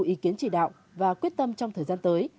ý kiến chỉ đạo và quyết tâm trong thời gian tới